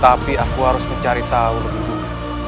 tapi aku harus mencari tahu lebih dulu